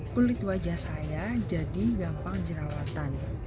kulit wajah saya jadi gampang jerawatan